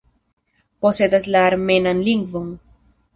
Posedas la armenan lingvon.